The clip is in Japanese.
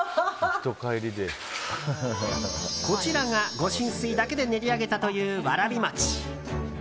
こちらが御神水だけで練り上げたという、わらび餅。